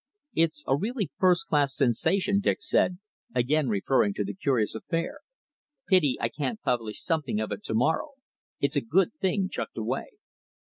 "It's a really first class sensation," Dick said, again referring to the curious affair. "Pity I can't publish something of it to morrow. It's a good thing chucked away."